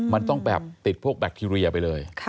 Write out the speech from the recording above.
มันต้องแบบติดพวกแบคทีเรียไปเลย